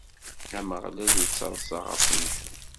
Ameɣlal ittaḍsa ɣef umcum.